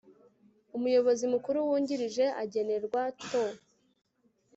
umuyobozi mukuru wungirije agenerwa to